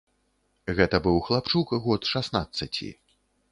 Гэта быў хлапчук год шаснаццаці.